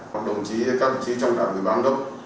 các đồng chí trong đảng người bán đốc